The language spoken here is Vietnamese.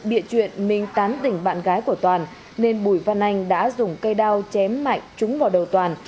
bịa chuyện minh tán tỉnh bạn gái của toàn nên bùi văn anh đã dùng cây đao chém mạnh trúng vào đầu toàn